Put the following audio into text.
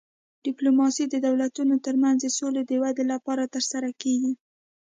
ډیپلوماسي د دولتونو ترمنځ د سولې د ودې لپاره ترسره کیږي